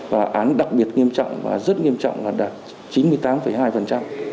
và án đặc biệt nghiêm trọng và rất nghiêm trọng là đạt chín mươi tám hai phần trăm